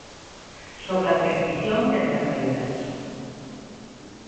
Sobre a prescrición de enfermeiras.